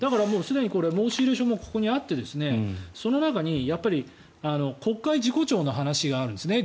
申し入れ書もここにあってその中に国会事故調の話があるんですね。